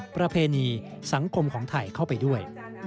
ประเพณีสังคมของไทยเข้าไปด้วย